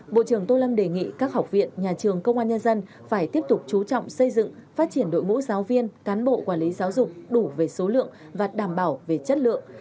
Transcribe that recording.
bộ trưởng tô lâm đề nghị các học viện nhà trường công an nhân dân phải tiếp tục chú trọng xây dựng phát triển đội ngũ giáo viên cán bộ quản lý giáo dục đủ về số lượng và đảm bảo về chất lượng